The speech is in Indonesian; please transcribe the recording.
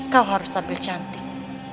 kau harus tampil cantik